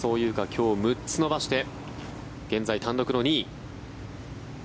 今日６つ伸ばして現在、単独の２位。